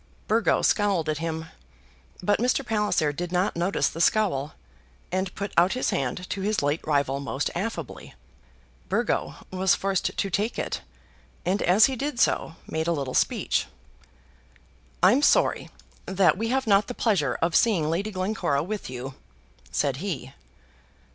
Burgo scowled at him; but Mr. Palliser did not notice the scowl, and put out his hand to his late rival most affably. Burgo was forced to take it, and as he did so made a little speech. "I'm sorry that we have not the pleasure of seeing Lady Glencora with you," said he.